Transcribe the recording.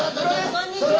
こんにちは！